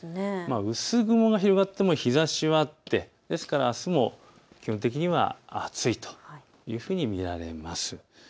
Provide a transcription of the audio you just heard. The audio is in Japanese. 薄雲が広がっても日ざしはあってあすも基本的には暑いというふうに見られます。